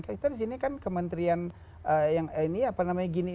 kita disini kan kementrian yang ini apa namanya gini ini